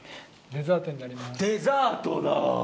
デザートだ。